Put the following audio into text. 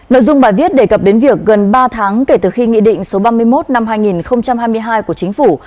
nội dung bài viết đề cập đến việc gần ba tháng kể từ khi nghị định số ba mươi một năm hai nghìn hai mươi hai của chính phủ